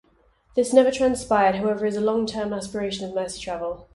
This never transpired, however is a long term aspiration of Merseytravel.